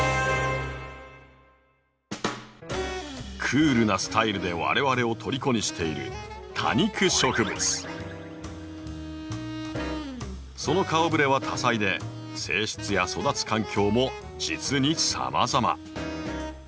クールなスタイルで我々をとりこにしているその顔ぶれは多彩で性質や育つ環境も実にさまざま。